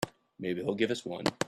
Maybe he'll give us one.